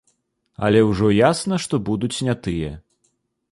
Але ўжо ясна, што будуць не тыя.